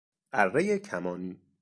ارهی کمانی